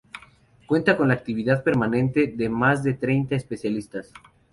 Cuenta con la actividad permanente de más de treinta especialistas.